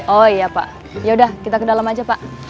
oh iya pak yaudah kita ke dalam aja pak